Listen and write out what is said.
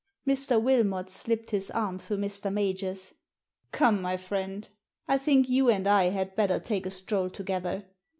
Mr. Wilmot slipped his arm through Mr. Major's. "Come, my friend, I think you and I had better take a stroll together.